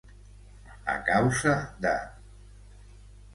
A causa de.